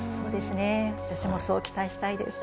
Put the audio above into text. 私もそう期待したいです。